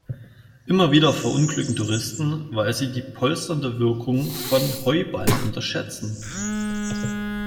Immer wieder verunglücken Touristen, weil sie die polsternde Wirkung von Heuballen überschätzen.